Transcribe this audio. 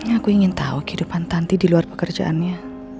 aku ingin tahu kehidupan tanti di luar pekerjaannya